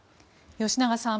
吉永さん